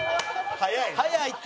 早いって！